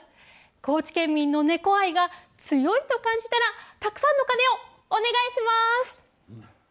高知県民の猫愛が強いと感じたらたくさんの鐘をお願いします。